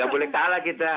gak boleh kalah kita